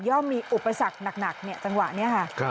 ย่อมมีอุปสรรคหนักเนี่ยจังหวะนี้ค่ะ